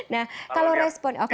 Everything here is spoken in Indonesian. nah kalau respon oke